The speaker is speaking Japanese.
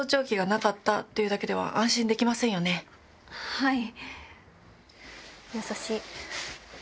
はい。